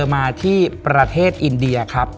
มาที่ประเทศอินเดียครับ